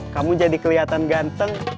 kamu jadi kelihatan ganteng